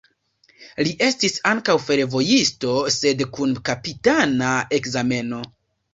Li estis ankaŭ fervojisto, sed kun kapitana ekzameno.